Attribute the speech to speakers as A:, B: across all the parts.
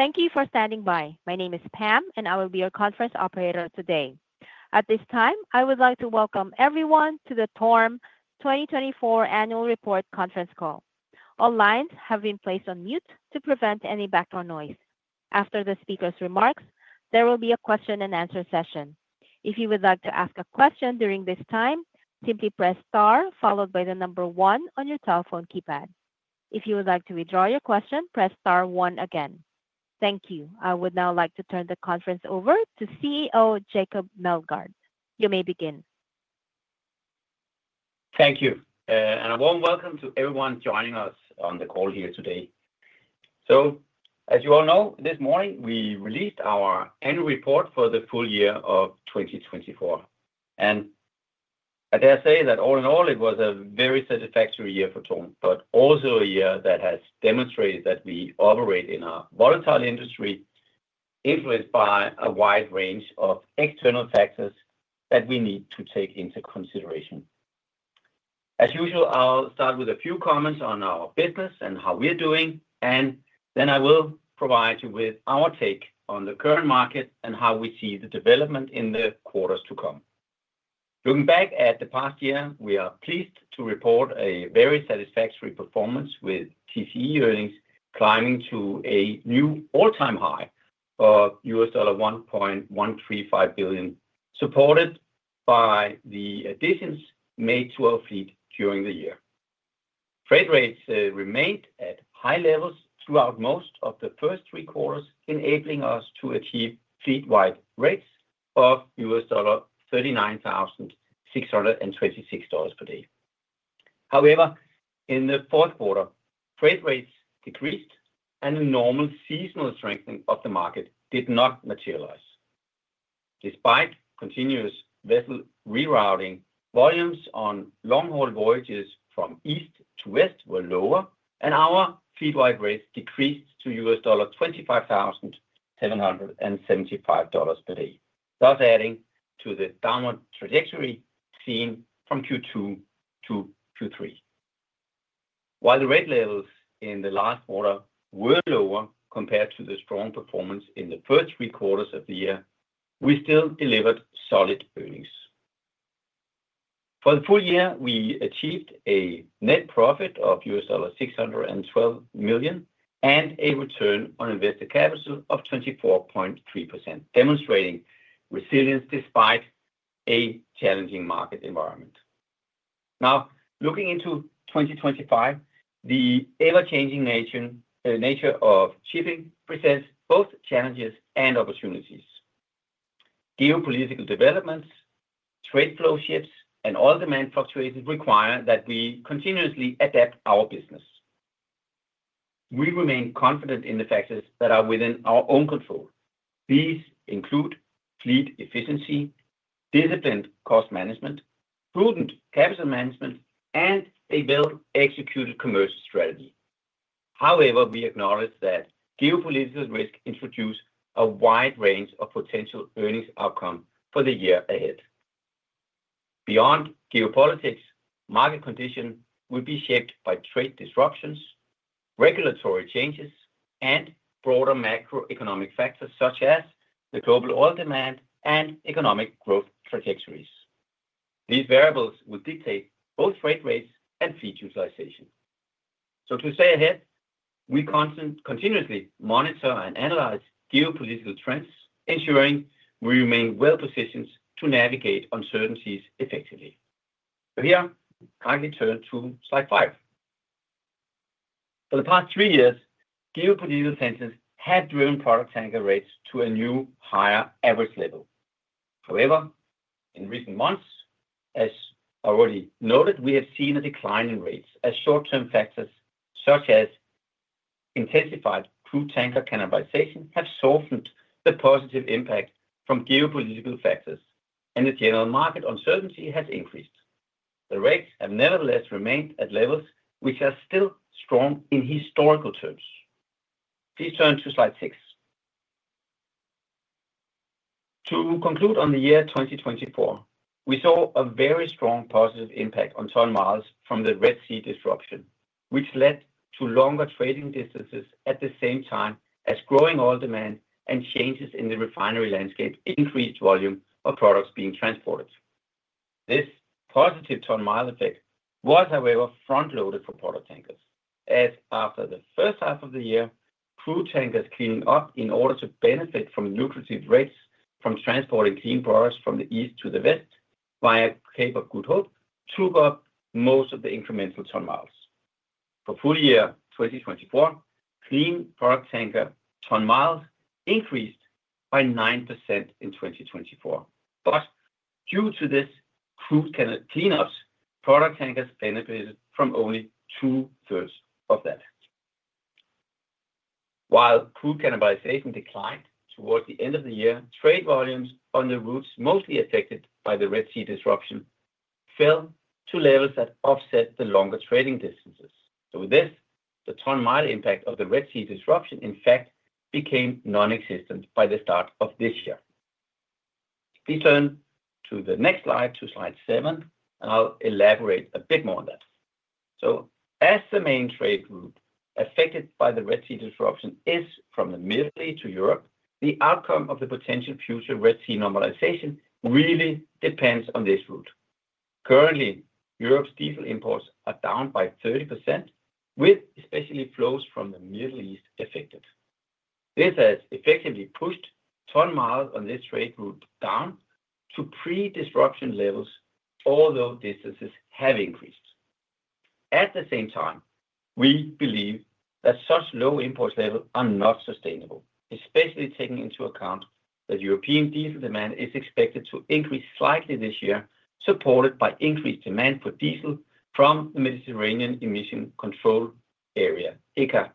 A: Thank you for standing by. My name is Pam, and I will be your conference operator today. At this time, I would like to welcome everyone to the TORM 2024 Annual Report Conference Call. All lines have been placed on mute to prevent any background noise. After the speaker's remarks, there will be a question-and-answer session. If you would like to ask a question during this time, simply press star followed by the number one on your telephone keypad. If you would like to withdraw your question, press star one again. Thank you. I would now like to turn the conference over to CEO Jacob Meldgaard. You may begin.
B: Thank you, and a warm welcome to everyone joining us on the call here today, so as you all know, this morning we released our annual report for the full year of 2024, and I dare say that all in all, it was a very satisfactory year for TORM, but also a year that has demonstrated that we operate in a volatile industry influenced by a wide range of external factors that we need to take into consideration. As usual, I'll start with a few comments on our business and how we're doing, and then I will provide you with our take on the current market and how we see the development in the quarters to come. Looking back at the past year, we are pleased to report a very satisfactory performance with TCE earnings climbing to a new all-time high of $1.135 billion, supported by the additions made to our fleet during the year. Trade rates remained at high levels throughout most of the first three quarters, enabling us to achieve fleet-wide rates of $39,626 per day. However, in the fourth quarter, trade rates decreased, and a normal seasonal strengthening of the market did not materialize. Despite continuous vessel rerouting, volumes on long-haul voyages from east to west were lower, and our fleet-wide rates decreased to $25,775 per day, thus adding to the downward trajectory seen from Q2 to Q3. While the rate levels in the last quarter were lower compared to the strong performance in the first three quarters of the year, we still delivered solid earnings. For the full year, we achieved a net profit of $612 million and a return on invested capital of 24.3%, demonstrating resilience despite a challenging market environment. Now, looking into 2025, the ever-changing nature of shipping presents both challenges and opportunities. Geopolitical developments, trade flow shifts, and oil demand fluctuations require that we continuously adapt our business. We remain confident in the factors that are within our own control. These include fleet efficiency, disciplined cost management, prudent capital management, and a well-executed commercial strategy. However, we acknowledge that geopolitical risks introduce a wide range of potential earnings outcomes for the year ahead. Beyond geopolitics, market conditions will be shaped by trade disruptions, regulatory changes, and broader macroeconomic factors such as the global oil demand and economic growth trajectories. These variables will dictate both trade rates and fleet utilization. To stay ahead, we continuously monitor and analyze geopolitical trends, ensuring we remain well-positioned to navigate uncertainties effectively. Here, I'd like to turn to slide five. For the past three years, geopolitical tensions have driven product tanker rates to a new higher average level. However, in recent months, as already noted, we have seen a decline in rates, as short-term factors such as intensified crude tanker cannibalization have softened the positive impact from geopolitical factors, and the general market uncertainty has increased. The rates have nevertheless remained at levels which are still strong in historical terms. Please turn to slide six. To conclude on the year 2024, we saw a very strong positive impact on ton-miles from the Red Sea disruption, which led to longer trading distances at the same time as growing oil demand and changes in the refinery landscape increased volume of products being transported. This positive ton-mile effect was, however, front-loaded for product tankers, as after the first half of the year, crude tankers cleaning up in order to benefit from lucrative rates from transporting clean products from the east to the west via Cape of Good Hope took up most of the incremental ton-miles. For full year 2024, clean product tanker ton-miles increased by 9% in 2024, but due to this crude cleanups, product tankers benefited from only 2/3 of that. While crude cannibalization declined towards the end of the year, trade volumes on the routes mostly affected by the Red Sea disruption fell to levels that offset the longer trading distances. So, with this, the ton-mile impact of the Red Sea disruption, in fact, became nonexistent by the start of this year. Please turn to the next slide, to slide seven, and I'll elaborate a bit more on that. So, as the main trade route affected by the Red Sea disruption is from the Middle East to Europe, the outcome of the potential future Red Sea normalization really depends on this route. Currently, Europe's diesel imports are down by 30%, with especially flows from the Middle East affected. This has effectively pushed ton-miles on this trade route down to pre-disruption levels, although distances have increased. At the same time, we believe that such low import levels are not sustainable, especially taking into account that European diesel demand is expected to increase slightly this year, supported by increased demand for diesel from the Mediterranean Emission Control Area, ECA,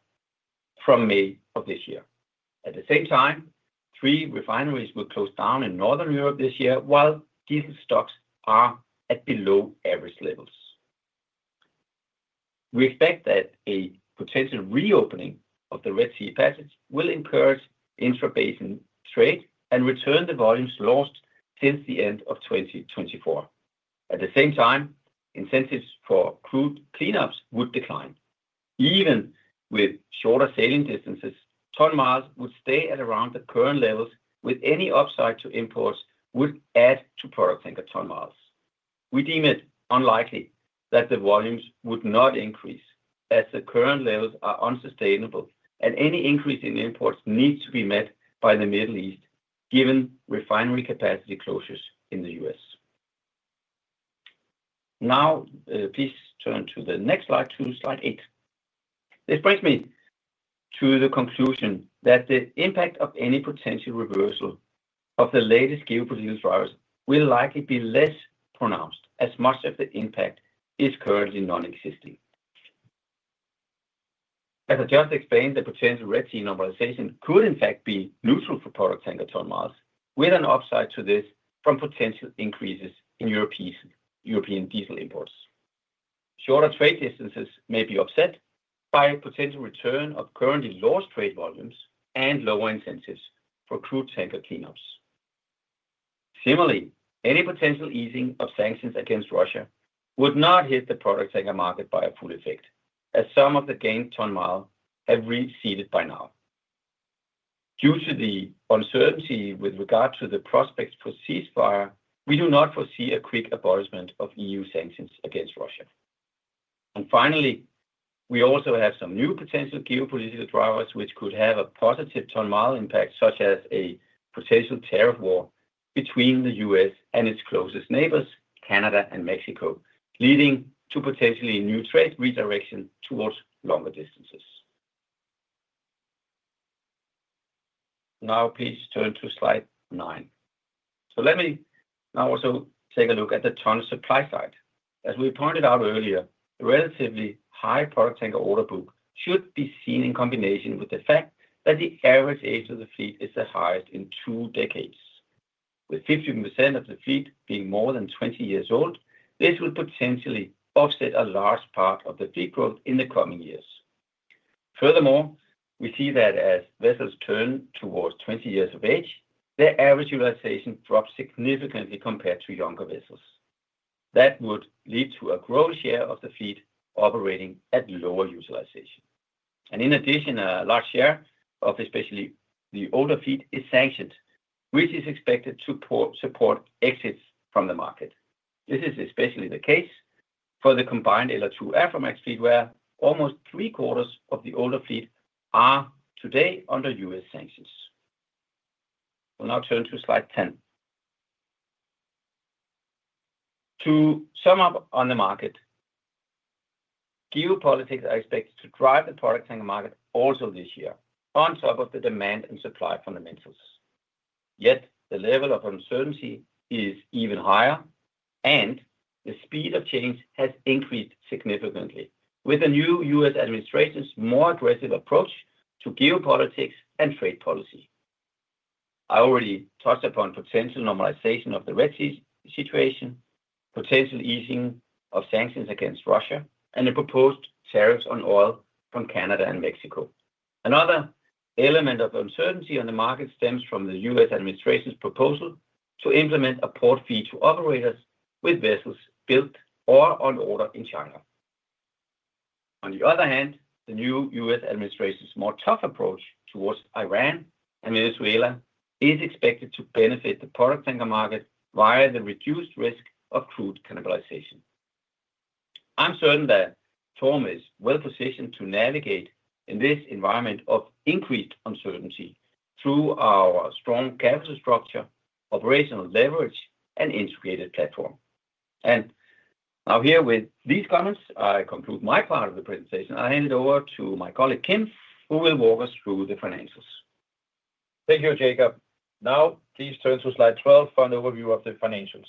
B: from May of this year. At the same time, three refineries will close down in Northern Europe this year, while diesel stocks are at below-average levels. We expect that a potential reopening of the Red Sea passage will encourage intra-basin trade and return the volumes lost since the end of 2024. At the same time, incentives for crude cleanups would decline. Even with shorter sailing distances, ton-miles would stay at around the current levels, with any upside to imports would add to product tanker ton-miles. We deem it unlikely that the volumes would not increase, as the current levels are unsustainable, and any increase in imports needs to be met by the Middle East, given refinery capacity closures in the U.S. Now, please turn to the next slide, to slide eight. This brings me to the conclusion that the impact of any potential reversal of the latest geopolitical drivers will likely be less pronounced, as much of the impact is currently nonexistent. As I just explained, the potential Red Sea normalization could, in fact, be neutral for product tanker ton-miles, with an upside to this from potential increases in European diesel imports. Shorter trade distances may be offset by a potential return of currently lost trade volumes and lower incentives for crude tanker cleanups. Similarly, any potential easing of sanctions against Russia would not hit the product tanker market by a full effect, as some of the gained ton-mile have receded by now. Due to the uncertainty with regard to the prospects for ceasefire, we do not foresee a quick abolishment of EU sanctions against Russia. And finally, we also have some new potential geopolitical drivers which could have a positive ton-mile impact, such as a potential tariff war between the U.S. and its closest neighbors, Canada and Mexico, leading to potentially new trade redirection towards longer distances. Now, please turn to slide nine. So, let me now also take a look at the TORM supply side. As we pointed out earlier, the relatively high product tanker order book should be seen in combination with the fact that the average age of the fleet is the highest in two decades. With 50% of the fleet being more than 20 years old, this would potentially offset a large part of the fleet growth in the coming years. Furthermore, we see that as vessels turn towards 20 years of age, their average utilization drops significantly compared to younger vessels. That would lead to a growing share of the fleet operating at lower utilization. And in addition, a large share of especially the older fleet is sanctioned, which is expected to support exits from the market. This is especially the case for the combined LR2 Aframax fleet, where almost 3/4 of the older fleet are today under U.S. sanctions. We'll now turn to slide 10. To sum up on the market, geopolitics are expected to drive the product tanker market also this year, on top of the demand and supply fundamentals. Yet, the level of uncertainty is even higher, and the speed of change has increased significantly, with the new U.S. administration's more aggressive approach to geopolitics and trade policy. I already touched upon potential normalization of the Red Sea situation, potential easing of sanctions against Russia, and the proposed tariffs on oil from Canada and Mexico. Another element of uncertainty on the market stems from the U.S. administration's proposal to implement a port fee to operators with vessels built or on order in China. On the other hand, the new U.S. administration's more tough approach towards Iran and Venezuela is expected to benefit the product tanker market via the reduced risk of crude cannibalization. I'm certain that TORM is well-positioned to navigate in this environment of increased uncertainty through our strong capital structure, operational leverage, and integrated platform. And now, here, with these comments, I conclude my part of the presentation. I'll hand it over to my colleague, Kim, who will walk us through the financials.
C: Thank you, Jacob. Now, please turn to slide 12 for an overview of the financials.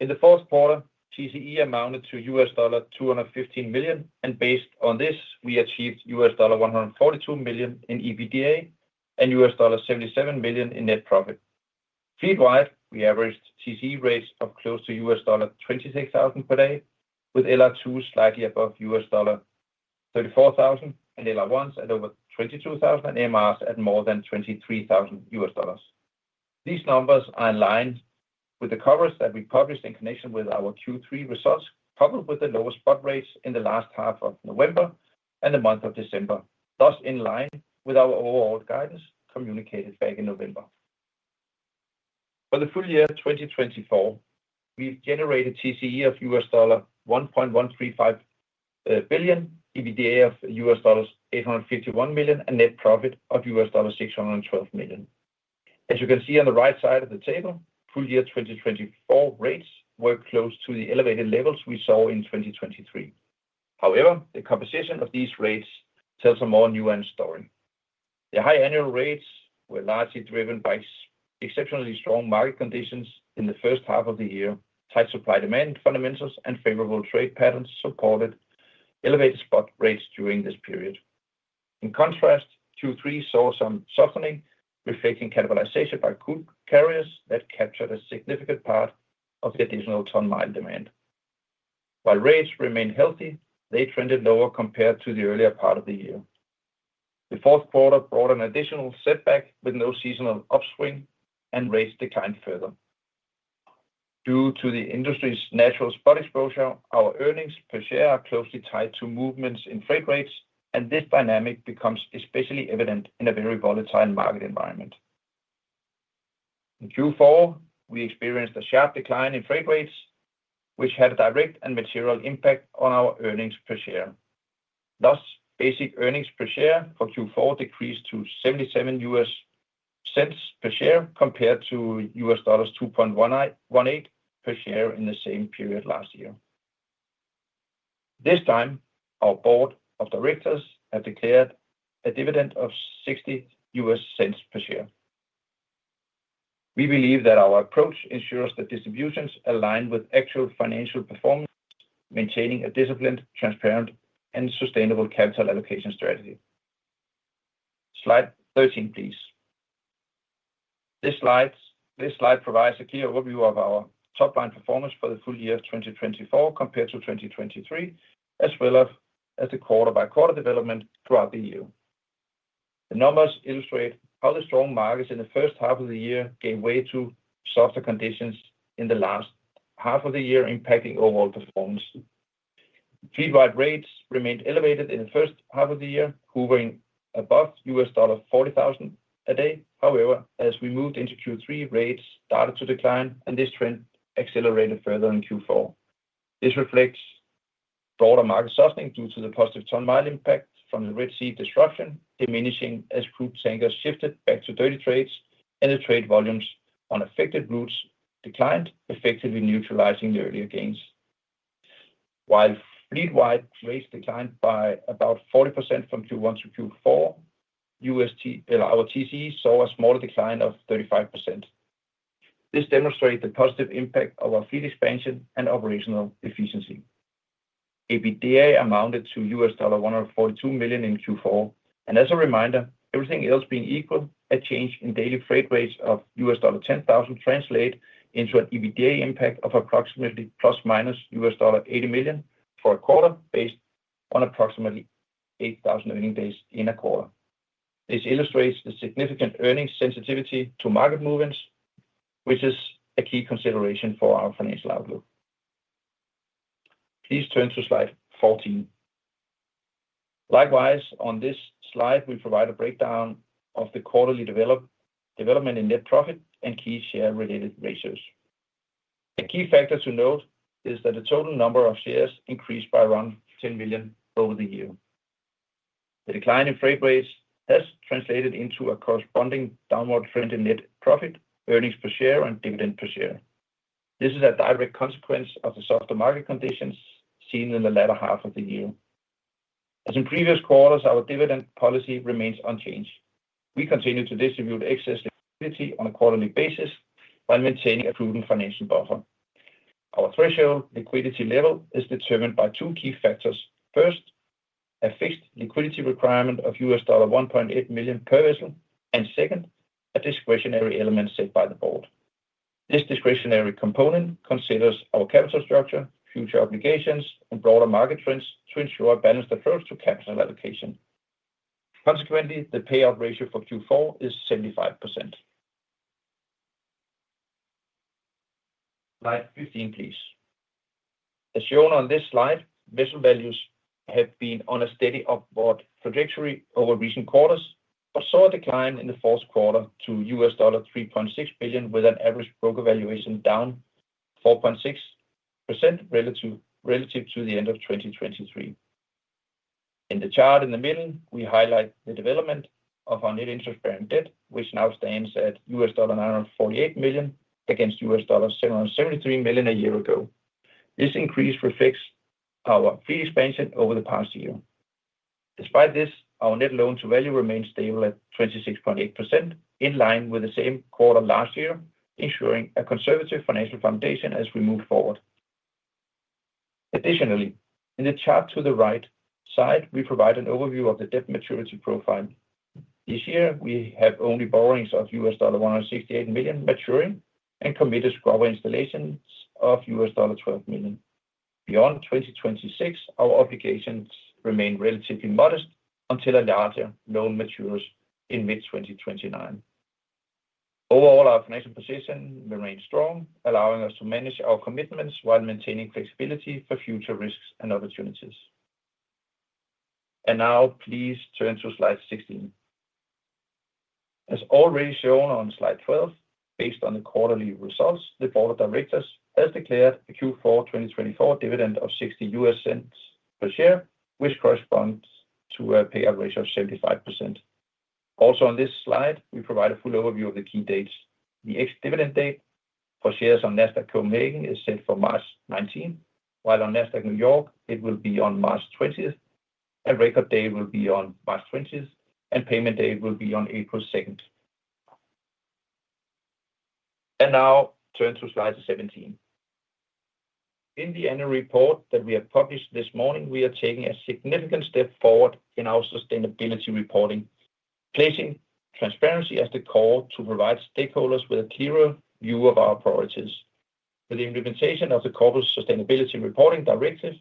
C: In the fourth quarter, TCE amounted to $215 million, and based on this, we achieved $142 million in EBITDA and $77 million in net profit. Fleet-wide, we averaged TCE rates of close to $26,000 per day, with LR2 slightly above $34,000 and LR1s at over $22,000 and MRs at more than $23,000. These numbers are in line with the coverage that we published in connection with our Q3 results, coupled with the lower spot rates in the last half of November and the month of December, thus in line with our overall guidance communicated back in November. For the full year 2024, we've generated TCE of $1.135 billion, EBITDA of $851 million, and net profit of $612 million. As you can see on the right side of the table, full year 2024 rates were close to the elevated levels we saw in 2023. However, the composition of these rates tells a more nuanced story. The high annual rates were largely driven by exceptionally strong market conditions in the first half of the year, tight supply-demand fundamentals, and favorable trade patterns supported elevated spot rates during this period. In contrast, Q3 saw some softening, reflecting cannibalization by crude carriers that captured a significant part of the additional ton-mile demand. While rates remained healthy, they trended lower compared to the earlier part of the year. The fourth quarter brought an additional setback with no seasonal upswing and rates declined further. Due to the industry's natural spot exposure, our earnings per share are closely tied to movements in freight rates, and this dynamic becomes especially evident in a very volatile market environment. In Q4, we experienced a sharp decline in freight rates, which had a direct and material impact on our earnings per share. Thus, basic earnings per share for Q4 decreased to $0.77 per share compared to $2.18 per share in the same period last year. This time, our board of directors has declared a dividend of $0.60 per share. We believe that our approach ensures that distributions align with actual financial performance, maintaining a disciplined, transparent, and sustainable capital allocation strategy. Slide 13, please. This slide provides a clear overview of our top-line performance for the full year 2024 compared to 2023, as well as the quarter-by-quarter development throughout the year. The numbers illustrate how the strong markets in the first half of the year gave way to softer conditions in the last half of the year, impacting overall performance. Fleet-wide rates remained elevated in the first half of the year, hovering above $40,000 a day. However, as we moved into Q3, rates started to decline, and this trend accelerated further in Q4. This reflects broader market softening due to the positive ton-mile impact from the Red Sea disruption, diminishing as crude tankers shifted back to dirty trades, and the trade volumes on affected routes declined, effectively neutralizing the earlier gains. While fleet-wide rates declined by about 40% from Q1 to Q4, our TCE saw a smaller decline of 35%. This demonstrates the positive impact of our fleet expansion and operational efficiency. EBITDA amounted to $142 million in Q4, and as a reminder, everything else being equal, a change in daily freight rates of $10,000 translated into an EBITDA impact of approximately plus-minus $80 million for a quarter, based on approximately 8,000 earning days in a quarter. This illustrates the significant earnings sensitivity to market movements, which is a key consideration for our financial outlook. Please turn to slide 14. Likewise, on this slide, we provide a breakdown of the quarterly development in net profit and key share-related ratios. A key factor to note is that the total number of shares increased by around 10 million over the year. The decline in freight rates has translated into a corresponding downward trend in net profit, earnings per share, and dividend per share. This is a direct consequence of the softer market conditions seen in the latter half of the year. As in previous quarters, our dividend policy remains unchanged. We continue to distribute excess liquidity on a quarterly basis while maintaining a prudent financial buffer. Our threshold liquidity level is determined by two key factors. First, a fixed liquidity requirement of $1.8 million per vessel, and second, a discretionary element set by the board. This discretionary component considers our capital structure, future obligations, and broader market trends to ensure a balanced approach to capital allocation. Consequently, the payout ratio for Q4 is 75%. Slide 15, please. As shown on this slide, vessel values have been on a steady upward trajectory over recent quarters, but saw a decline in the fourth quarter to $3.6 billion, with an average broker valuation down 4.6% relative to the end of 2023. In the chart in the middle, we highlight the development of our net interest-bearing debt, which now stands at $948 million against $773 million a year ago. This increase reflects our fleet expansion over the past year. Despite this, our net loan-to-value remains stable at 26.8%, in line with the same quarter last year, ensuring a conservative financial foundation as we move forward. Additionally, in the chart to the right side, we provide an overview of the debt maturity profile. This year, we have only borrowings of $168 million maturing and committed scrubber installations of $12 million. Beyond 2026, our obligations remain relatively modest until a larger loan matures in mid-2029. Overall, our financial position remains strong, allowing us to manage our commitments while maintaining flexibility for future risks and opportunities. And now, please turn to slide 16. As already shown on slide 12, based on the quarterly results, the board of directors has declared a Q4 2024 dividend of $0.60 per share, which corresponds to a payout ratio of 75%. Also, on this slide, we provide a full overview of the key dates. The ex-dividend date for shares on NASDAQ Copenhagen is set for March 19, while on NASDAQ New York, it will be on March 20th. A record day will be on March 20th, and payment day will be on April 2nd. And now, turn to slide 17. In the annual report that we have published this morning, we are taking a significant step forward in our sustainability reporting, placing transparency as the core to provide stakeholders with a clearer view of our priorities. With the implementation of the Corporate Sustainability Reporting Directive,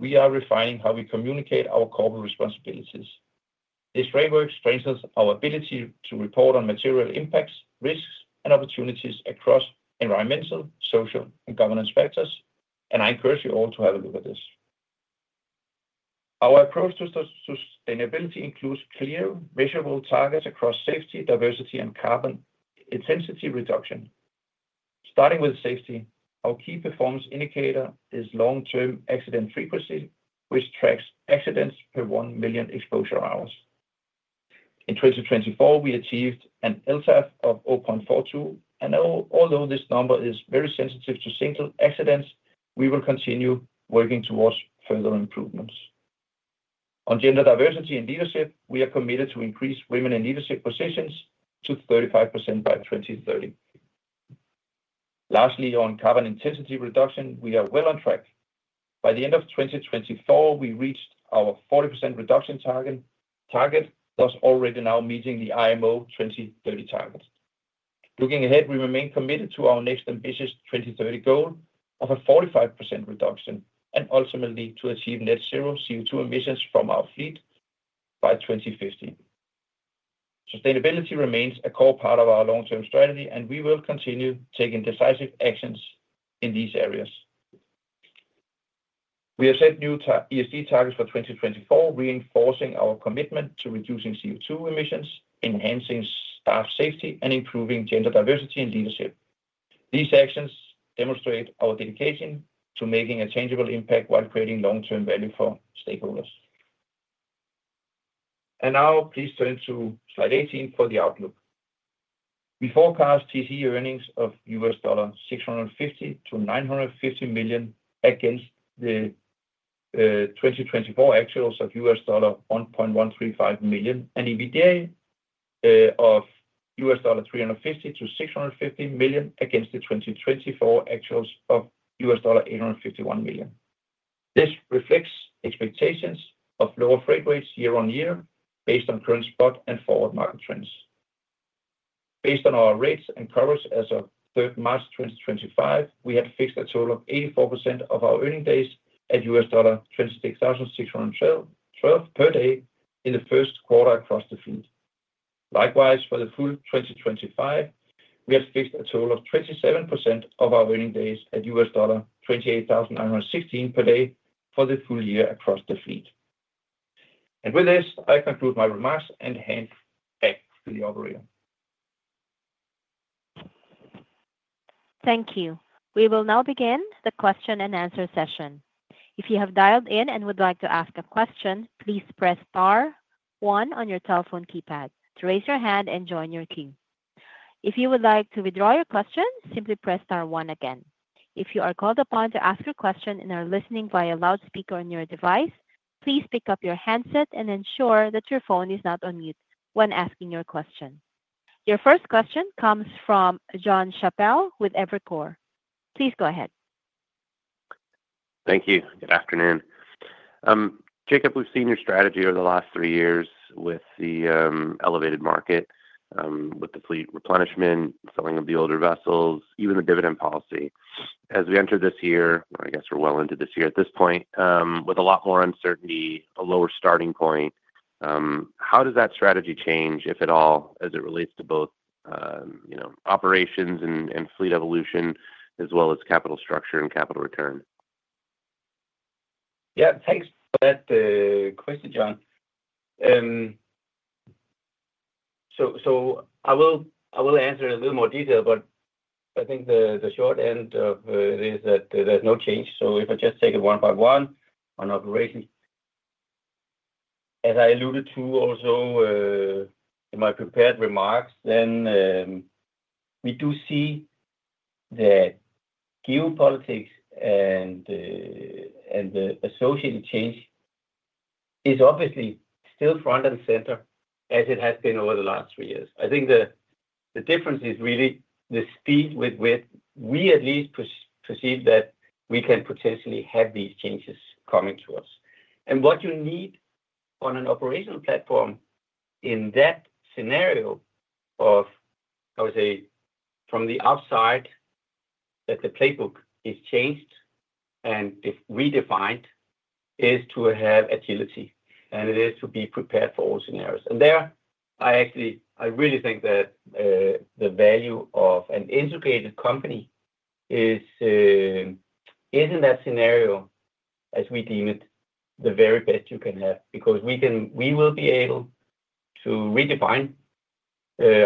C: we are refining how we communicate our corporate responsibilities. This framework strengthens our ability to report on material impacts, risks, and opportunities across environmental, social, and governance factors, and I encourage you all to have a look at this. Our approach to sustainability includes clear, measurable targets across safety, diversity, and carbon intensity reduction. Starting with safety, our key performance indicator is long-term accident frequency, which tracks accidents per 1 million exposure hours. In 2024, we achieved an LTAF of 0.42, and although this number is very sensitive to single accidents, we will continue working towards further improvements. On gender diversity and leadership, we are committed to increase women in leadership positions to 35% by 2030. Lastly, on carbon intensity reduction, we are well on track. By the end of 2024, we reached our 40% reduction target, thus already now meeting the IMO 2030 target. Looking ahead, we remain committed to our next ambitious 2030 goal of a 45% reduction and ultimately to achieve net zero CO2 emissions from our fleet by 2050. Sustainability remains a core part of our long-term strategy, and we will continue taking decisive actions in these areas. We have set new ESG targets for 2024, reinforcing our commitment to reducing CO2 emissions, enhancing staff safety, and improving gender diversity in leadership. These actions demonstrate our dedication to making a tangible impact while creating long-term value for stakeholders. And now, please turn to slide 18 for the outlook. We forecast TCE earnings of $650 million-$950 million against the 2024 actuals of $1.135 million and EBITDA of $350 million-$650 million against the 2024 actuals of $851 million. This reflects expectations of lower freight rates year-on-year based on current spot and forward market trends. Based on our rates and coverage as of March 3rd, 2025, we had fixed a total of 84% of our earning days at $26,612 per day in the first quarter across the fleet. Likewise, for the full 2025, we had fixed a total of 27% of our earning days at $28,916 per day for the full year across the fleet. And with this, I conclude my remarks and hand back to the operator.
A: Thank you. We will now begin the question-and-answer session. If you have dialed in and would like to ask a question, please press star one on your telephone keypad to raise your hand and join your queue. If you would like to withdraw your question, simply press star one again. If you are called upon to ask your question and are listening via loudspeaker on your device, please pick up your handset and ensure that your phone is not on mute when asking your question. Your first question comes from Jon Chappell with Evercore. Please go ahead.
D: Thank you. Good afternoon. Jacob, we've seen your strategy over the last three years with the elevated market, with the fleet replenishment, selling of the older vessels, even the dividend policy. As we enter this year, or I guess we're well into this year at this point, with a lot more uncertainty, a lower starting point, how does that strategy change, if at all, as it relates to both operations and fleet evolution, as well as capital structure and capital return?
B: Yeah, thanks for that question, Jon. So I will answer it in a little more detail, but I think the short end of it is that there's no change, so if I just take it one by one on operations, as I alluded to also in my prepared remarks, then we do see that geopolitics and the associated change is obviously still front and center as it has been over the last three years. I think the difference is really the speed with which we at least perceive that we can potentially have these changes coming to us, and what you need on an operational platform in that scenario of, I would say, from the outside, that the playbook is changed and redefined, is to have agility, and it is to be prepared for all scenarios. And there, I actually really think that the value of an integrated company is in that scenario, as we deem it, the very best you can have because we will be able to redefine,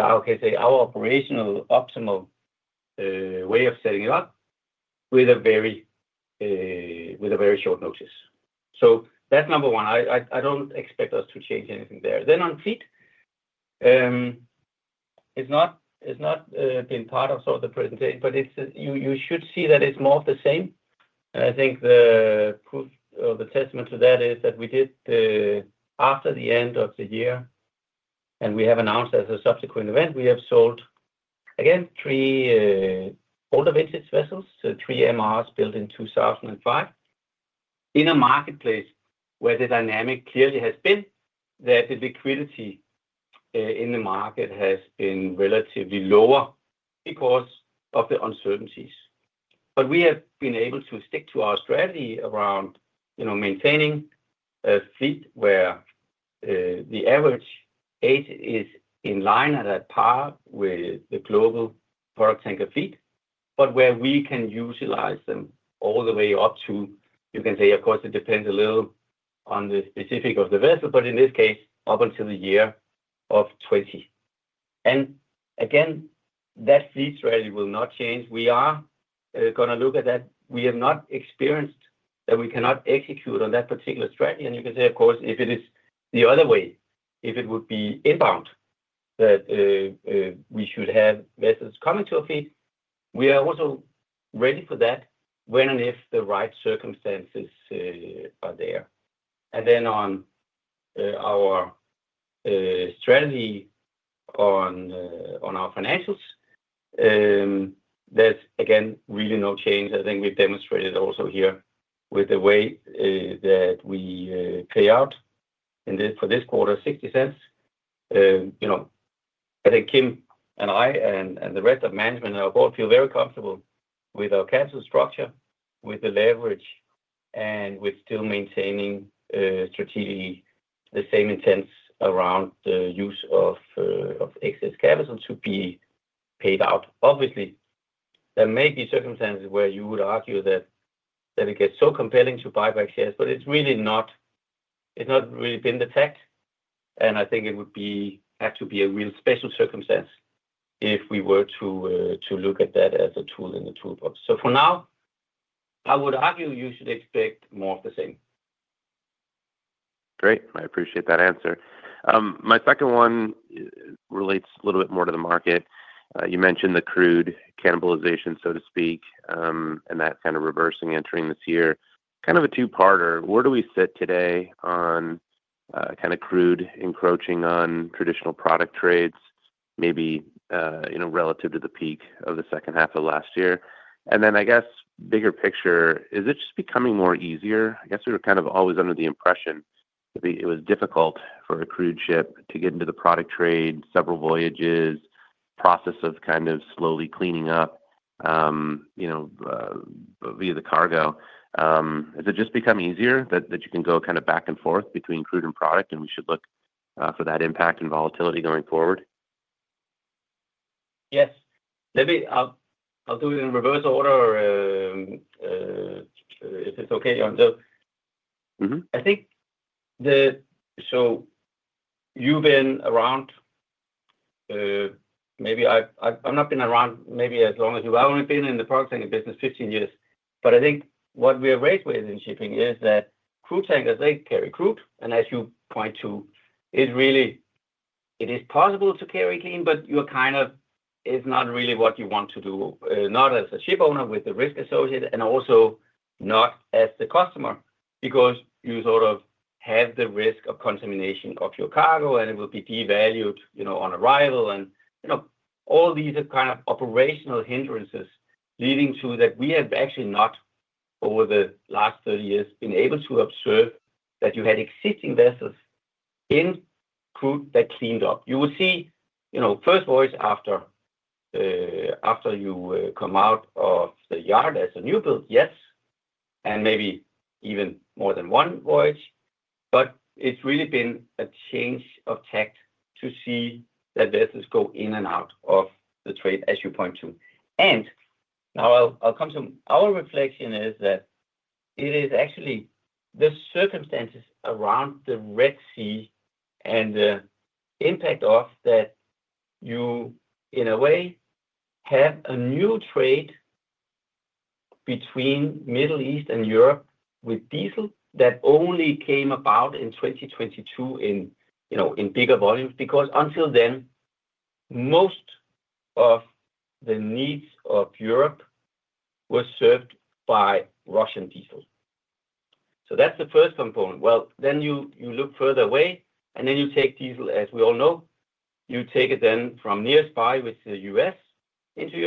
B: I would say, our operational optimal way of setting it up with a very short notice. So that's number one. I don't expect us to change anything there. Then on fleet, it's not been part of the presentation, but you should see that it's more of the same. And I think the proof or the testament to that is that we did, after the end of the year, and we have announced as a subsequent event, we have sold, again, three older vintage vessels, so three MRs built in 2005, in a marketplace where the dynamic clearly has been that the liquidity in the market has been relatively lower because of the uncertainties. We have been able to stick to our strategy around maintaining a fleet where the average age is in line with that, at par with the global product tanker fleet, but where we can utilize them all the way up to, you can say, of course, it depends a little on the specifics of the vessel, but in this case, up until they are 20. And again, that fleet strategy will not change. We are going to look at that. We have not experienced that we cannot execute on that particular strategy. And you can say, of course, if it is the other way, if it would be inbound that we should have vessels coming into the fleet, we are also ready for that when and if the right circumstances are there. And then on our strategy on our financials, there's, again, really no change. I think we've demonstrated also here with the way that we pay out for this quarter, $0.60. I think Kim and I and the rest of management and our board feel very comfortable with our capital structure, with the leverage, and with still maintaining strategically the same intents around the use of excess capital to be paid out. Obviously, there may be circumstances where you would argue that it gets so compelling to buy back shares, but it's really not. It's not really been the tack. And I think it would have to be a real special circumstance if we were to look at that as a tool in the toolbox. So for now, I would argue you should expect more of the same.
D: Great. I appreciate that answer. My second one relates a little bit more to the market. You mentioned the crude cannibalization, so to speak, and that kind of reversing entering this year. Kind of a two-parter. Where do we sit today on kind of crude encroaching on traditional product trades, maybe relative to the peak of the second half of last year? And then I guess bigger picture, is it just becoming more easier? I guess we were kind of always under the impression that it was difficult for a crude ship to get into the product trade, several voyages, process of kind of slowly cleaning up via the cargo. Has it just become easier that you can go kind of back and forth between crude and product, and we should look for that impact and volatility going forward?
B: Yes. Maybe I'll do it in reverse order if it's okay. I think. So you've been around. Maybe I've not been around maybe as long as you. I've only been in the product tanker business 15 years. But I think what we are raised with in shipping is that crude tankers, they carry crude. And as you point to, it is possible to carry clean, but you're kind of. It's not really what you want to do, not as a ship owner with the risk associated, and also not as the customer because you sort of have the risk of contamination of your cargo, and it will be devalued on arrival. And all these are kind of operational hindrances leading to that we have actually not, over the last 30 years, been able to observe that you had existing vessels in crude that cleaned up. You will see first voyage after you come out of the yard as a new build, yes, and maybe even more than one voyage. But it's really been a change of tack to see that vessels go in and out of the trade, as you point to. Now I'll come to our reflection is that it is actually the circumstances around the Red Sea and the impact of that. You, in a way, have a new trade between Middle East and Europe with diesel that only came about in 2022 in bigger volumes because until then, most of the needs of Europe were served by Russian diesel. That's the first component. Well, then you look further away, and then you take diesel, as we all know. You take it then from nearby with the U.S. into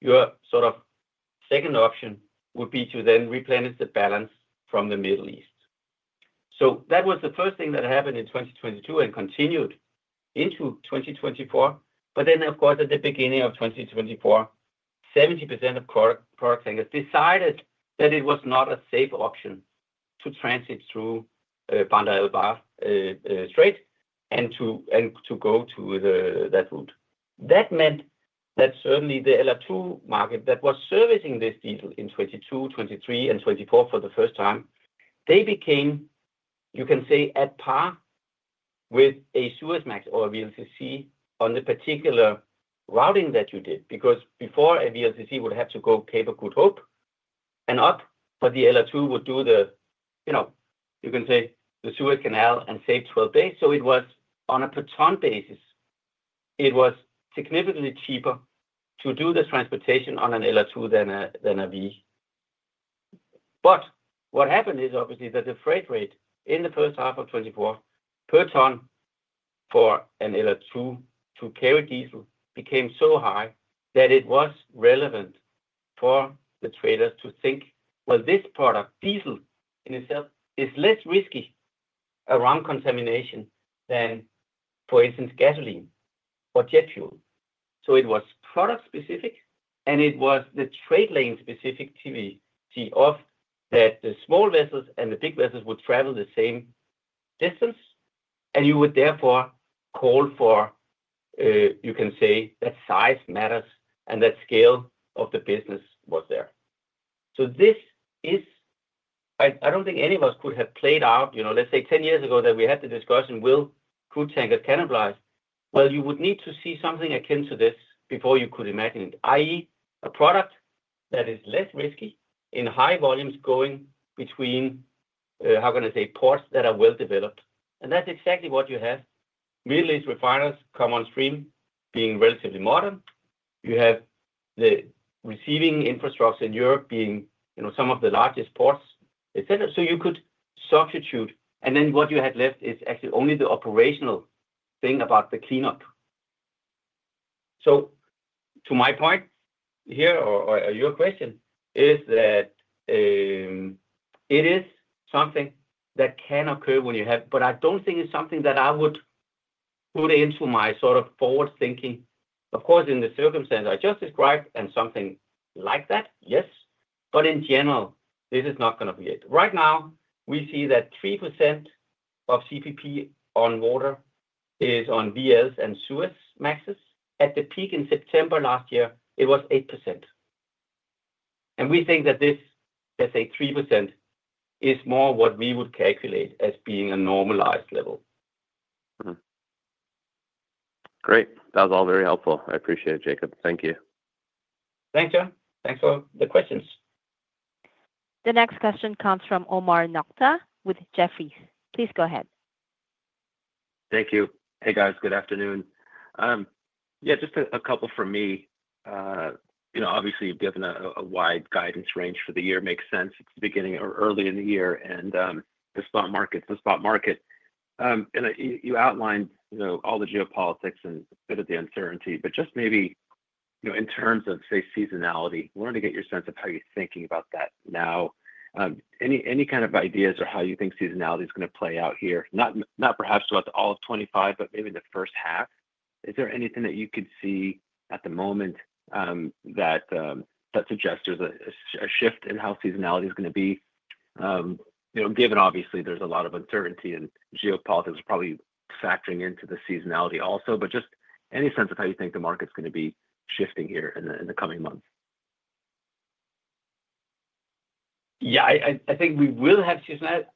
B: Europe. Your second option would be to then replenish the balance from the Middle East. That was the first thing that happened in 2022 and continued into 2024. Then, of course, at the beginning of 2024, 70% of product tankers decided that it was not a safe option to transit through Bab el-Mandeb Strait and to go to that route. That meant that certainly the LR2 market that was servicing this diesel in 2022, 2023, and 2024 for the first time, they became, you can say, at par with a Suezmax or a VLCC on the particular routing that you did because before a VLCC would have to go Cape of Good Hope and up, but the LR2 would do the, you can say, the Suez Canal and save 12 days. It was on a per ton basis. It was significantly cheaper to do the transportation on an LR2 than a [VLCC]. But what happened is, obviously, that the freight rate in the first half of 2024 per ton for an LR2 to carry diesel became so high that it was relevant for the traders to think, well, this product, diesel in itself, is less risky around contamination than, for instance, gasoline or jet fuel. So it was product-specific, and it was the trade lane-specificity of that the small vessels and the big vessels would travel the same distance, and you would therefore call for, you can say, that size matters and that scale of the business was there. So this is, I don't think any of us could have played out, let's say, 10 years ago that we had the discussion, will crude tankers cannibalize? You would need to see something akin to this before you could imagine it, i.e., a product that is less risky in high volumes going between, how can I say, ports that are well developed. That's exactly what you have. Middle East refiners come on stream being relatively modern. You have the receiving infrastructure in Europe being some of the largest ports, etc. You could substitute and then what you had left is actually only the operational thing about the cleanup. To my point here, or your question, is that it is something that can occur when you have, but I don't think it's something that I would put into my sort of forward-thinking. Of course, in the circumstances I just described and something like that, yes. In general, this is not going to be it. Right now, we see that 3% of CPP on water is on VLs and Suezmaxes. At the peak in September last year, it was 8%. And we think that this, let's say, 3% is more what we would calculate as being a normalized level.
D: Great. That was all very helpful. I appreciate it, Jacob. Thank you.
B: Thanks, Jon. Thanks for the questions.
A: The next question comes from Omar Nokta with Jefferies. Please go ahead.
E: Thank you. Hey, guys. Good afternoon. Yeah, just a couple for me. Obviously, given a wide guidance range for the year, it makes sense. It's the beginning or early in the year, and the spot market. And you outlined all the geopolitics and a bit of the uncertainty, but just maybe in terms of, say, seasonality, wanted to get your sense of how you're thinking about that now. Any ideas or how you think seasonality is going to play out here, not perhaps throughout all of 2025, but maybe the first half? Is there anything that you could see at the moment that suggests there's a shift in how seasonality is going to be? Given, obviously, there's a lot of uncertainty and geopolitics is probably factoring into the seasonality also, but just any sense of how you think the market's going to be shifting here in the coming months?
B: Yeah, I think we will have seasonality.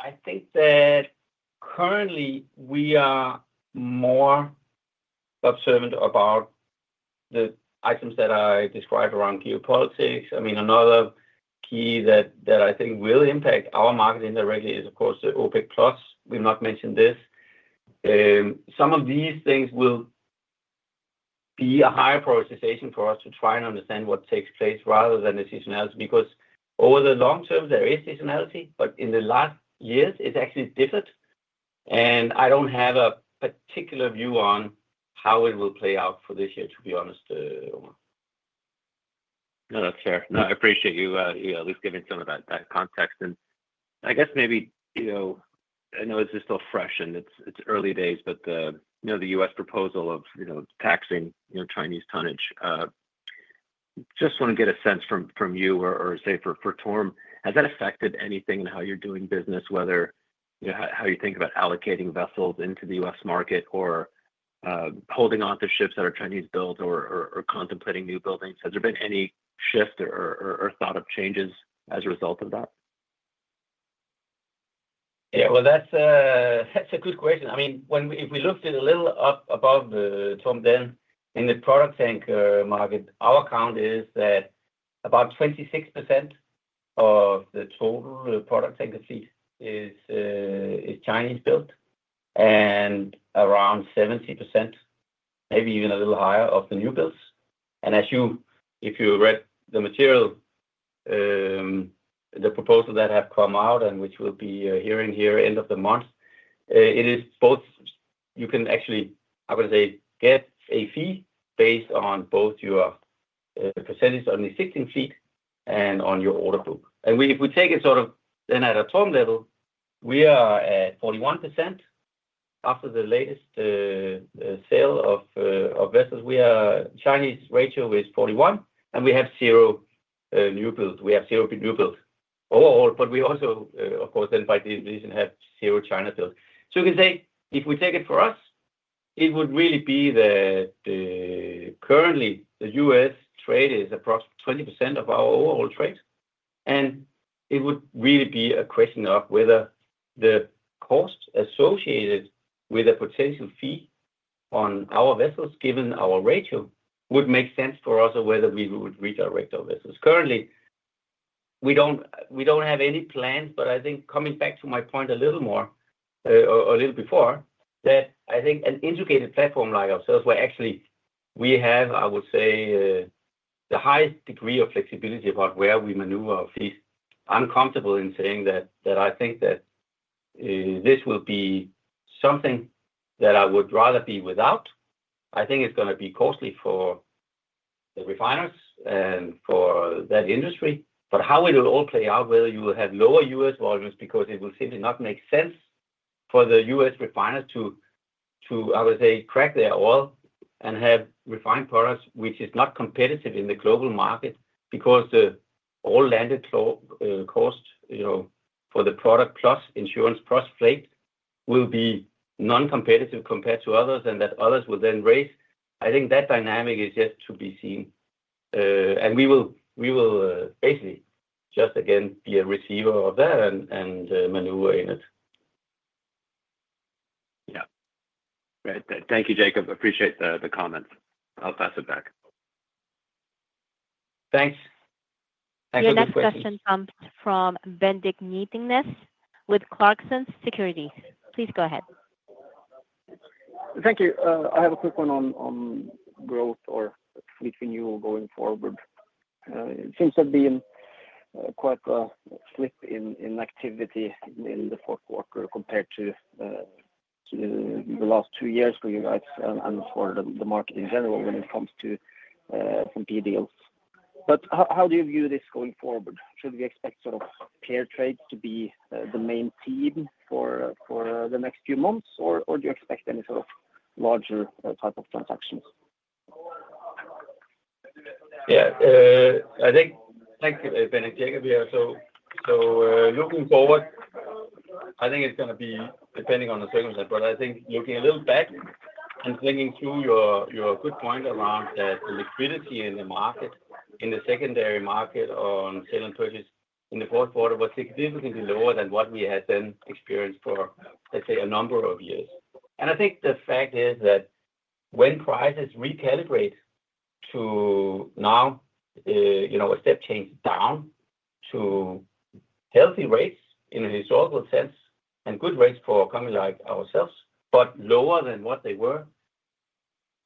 B: I think that currently, we are more observant about the items that I described around geopolitics. I mean, another key that I think will impact our market indirectly is, of course, the OPEC Plus. We've not mentioned this. Some of these things will be a higher prioritization for us to try and understand what takes place rather than the seasonality because over the long-term, there is seasonality, but in the last years, it's actually differed, and I don't have a particular view on how it will play out for this year, to be honest, Omar.
E: No, that's fair. No, I appreciate you at least giving some of that context, and I guess maybe I know this is still fresh and it's early days, but the U.S. proposal of taxing Chinese tonnage, just want to get a sense from you or, say, for TORM, has that affected anything in how you're doing business, whether how you think about allocating vessels into the U.S. market or holding onto ships that are Chinese-built or contemplating new buildings? Has there been any shift or thought of changes as a result of that?
B: Yeah, well, that's a good question. I mean, if we looked a little up above TORM, then in the product tanker market, our count is that about 26% of the total product tanker fleet is Chinese-built and around 70%, maybe even a little higher, of the new builds. And if you read the material, the proposal that have come out and which we'll be hearing here end of the month, it is both you can actually, I'm going to say, get a fee based on both your percentage on the existing fleet and on your order book. And if we take it sort of then at a TORM level, we are at 41%. After the latest sale of vessels, our Chinese ratio is 41%, and we have zero new builds. We have zero new builds overall, but we also, of course, then by definition, have zero China builds, so you can say if we take it for us, it would really be that currently, the U.S. trade is approximately 20% of our overall trade, and it would really be a question of whether the cost associated with a potential fee on our vessels, given our ratio, would make sense for us or whether we would redirect our vessels. Currently, we don't have any plans, but I think coming back to my point a little more, a little before, that I think an integrated platform like ourselves, where actually we have, I would say, the highest degree of flexibility about where we maneuver our fleets, I'm comfortable in saying that I think that this will be something that I would rather be without. I think it's going to be costly for the refiners and for that industry, but how it will all play out, whether you will have lower U.S. volumes because it will simply not make sense for the U.S. refiners to, I would say, crack their oil and have refined products, which is not competitive in the global market because the all-landed cost for the product plus insurance plus freight will be non-competitive compared to others and that others will then raise. I think that dynamic is yet to be seen, and we will basically just, again, be a receiver of that and maneuver in it.
E: Yeah. Thank you, Jacob. Appreciate the comments. I'll pass it back. Thanks.
B: Thanks for the question.
A: The next question comes from Bendik Nyttingnes with Clarksons Securities. Please go ahead.
F: Thank you. I have a quick one on growth or fleet renewal going forward. It seems to have been quite a slump in activity in the S&P market compared to the last two years for you guys and for the market in general when it comes to some S&Ps. But how do you view this going forward? Should we expect sort of S&P trades to be the main theme for the next few months, or do you expect any sort of larger type of transactions?
B: Yeah. I think, thank you, Ben. Jacob here. So looking forward, I think it's going to be depending on the circumstance, but I think looking a little back and thinking through your good point around that the liquidity in the market, in the secondary market on sale and purchase, in the fourth quarter was significantly lower than what we had then experienced for, let's say, a number of years. I think the fact is that when prices recalibrate to now, a step change down to healthy rates in a historical sense and good rates for a company like ourselves, but lower than what they were.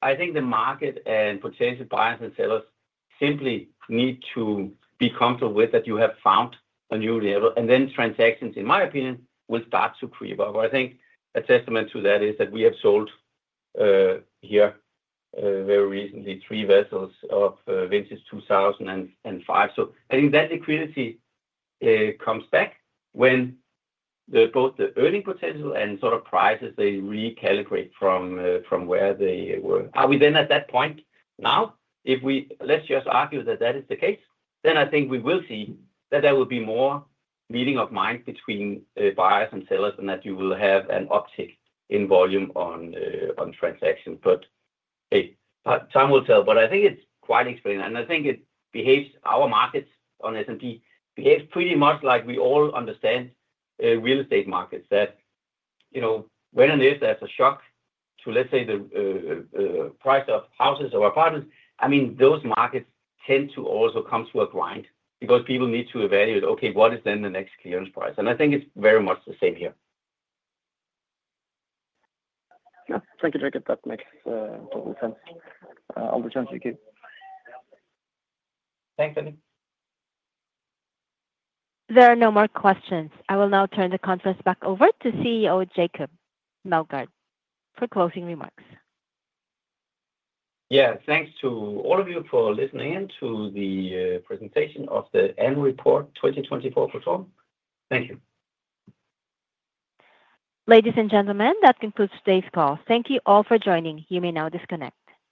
B: I think the market and potential buyers and sellers simply need to be comfortable with that you have found a new level. Then transactions, in my opinion, will start to creep up. I think a testament to that is that we have sold here very recently three vessels of vintage 2005. I think that liquidity comes back when both the earning potential and sort of prices, they recalibrate from where they were. Are we then at that point now? If we let’s just argue that that is the case, then I think we will see that there will be more meeting of mind between buyers and sellers and that you will have an uptick in volume on transactions. But hey, time will tell. But I think it’s quite explained. And I think it behaves. Our markets on S&P behave pretty much like we all understand real estate markets that when and if there’s a shock to, let’s say, the price of houses or apartments, I mean, those markets tend to also come to a grind because people need to evaluate, okay, what is then the next clearance price? And I think it’s very much the same here.
F: Thank you, Jacob. That makes total sense. All the terms you give.
B: Thanks, Ben.
A: There are no more questions. I will now turn the conference back over to CEO Jacob Meldgaard for closing remarks.
B: Yeah. Thanks to all of you for listening in to the presentation of the year-end report 2024 for TORM. Thank you.
A: Ladies and gentlemen, that concludes today's call. Thank you all for joining. You may now disconnect.